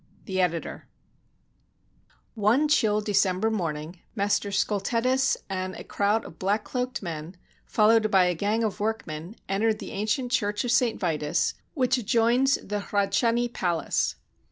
The Editor \ One chill December morning Master Scultetus and a crowd of black cloaked men, followed by a gang of work men, entered the ancient Church of St. Vitus, which ad joins the Hradcany Palace.